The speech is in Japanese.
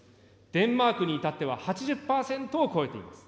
デンマークにいたっては８０％を超えています。